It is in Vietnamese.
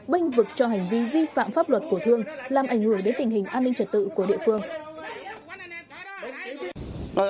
binh vực cho hành vi vi phạm pháp luật của thương làm ảnh hưởng đến tình hình an ninh trật tự của địa phương